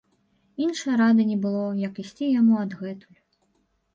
Іншай рады не было, як ісці яму адгэтуль.